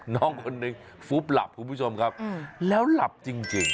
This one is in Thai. น้องคนหนึ่งฟุบหลับคุณผู้ชมครับแล้วหลับจริง